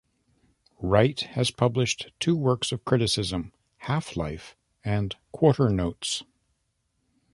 Wright has published two works of criticism, "Halflife" and "Quarter Notes".